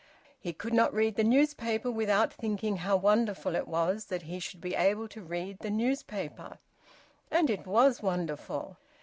He could not read the newspaper without thinking how wonderful it was that he should be able to read the newspaper. And it was wonderful!